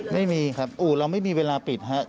ไม่มีครับอู่เราไม่มีเวลาปิดครับ